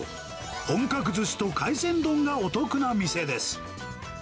本格ずしと海鮮丼がお得な店です。